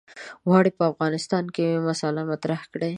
غواړي په افغانستان کې مسأله مطرح کړي.